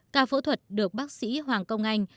ca phẫu thuật được bác sĩ hoàng công anh